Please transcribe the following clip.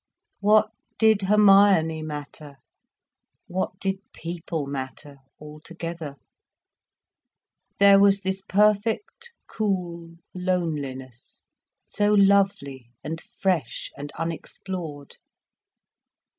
What did Hermione matter, what did people matter altogether? There was this perfect cool loneliness, so lovely and fresh and unexplored.